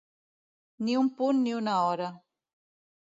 Ni un punt ni una hora.